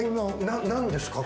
何ですか？